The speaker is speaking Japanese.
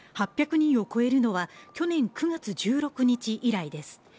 ８００人を超えるのは去年９月１６日以来です。